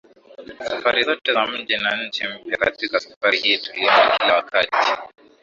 safari zote za miji na nchi mpya katika safari hii tuliona kila wakati